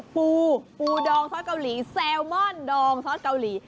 ปูปูดองซอสเกาหลีแซลมอนดองซอสเกาหลี